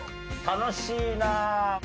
楽しいな！